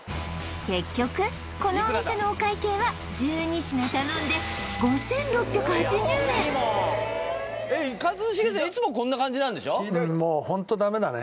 結局このお店のお会計は１２品頼んで５６８０円一茂さんいつもこんな感じなんでしょ？